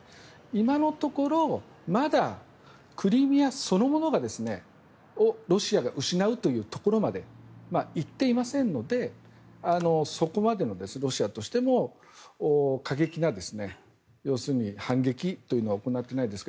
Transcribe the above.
今のところまだクリミアそのものをロシアが失うというところまで行っていませんのでそこまでの、ロシアとしても過激な反撃というのは行っていないです。